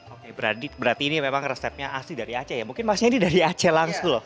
oke berarti ini memang resepnya asli dari aceh ya mungkin maksudnya ini dari aceh langsung loh